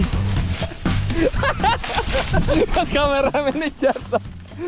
hahaha kameramennya jatuh